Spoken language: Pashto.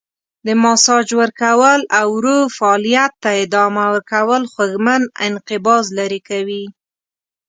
د ماساژ ورکول او ورو فعالیت ته ادامه ورکول خوږمن انقباض لرې کوي.